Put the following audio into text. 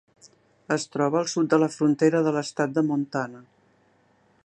Es troba al sud de la frontera de l'estat de Montana.